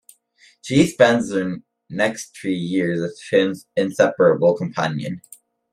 She spends her next three years as Fynn's inseparable companion.